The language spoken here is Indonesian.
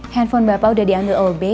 handphone bapak udah diambil ob